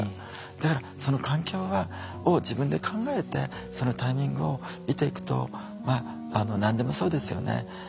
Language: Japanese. だからその環境を自分で考えてそのタイミングを見ていくと何でもそうですよね